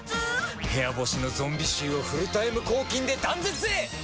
部屋干しのゾンビ臭をフルタイム抗菌で断絶へ！